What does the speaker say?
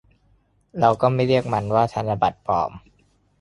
เราก็ไม่เรียกมันว่าธนบัตรปลอม